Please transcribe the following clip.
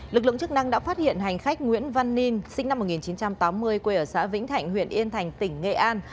lực lượng chức năng đã phát hiện hành khách nguyễn văn ninh sinh năm một nghìn chín trăm tám mươi quê ở xã vĩnh thạnh huyện yên thành tỉnh nghệ an